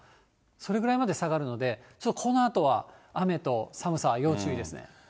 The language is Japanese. それぐらいまで下がるので、このあとは、雨と寒さ、要注意ですね。